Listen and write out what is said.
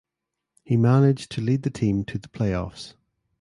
He managed to lead the team to the playoffs.